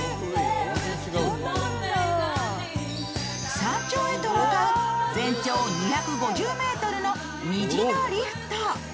山頂へと向かう全長２５０ｍの虹のリフト。